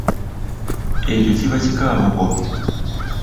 Ekyo kiba kikaabugo.